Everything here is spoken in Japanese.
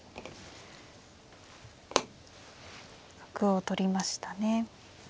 角を取りましたね。